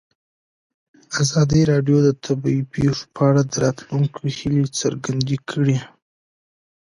ازادي راډیو د طبیعي پېښې په اړه د راتلونکي هیلې څرګندې کړې.